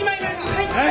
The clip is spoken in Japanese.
はい！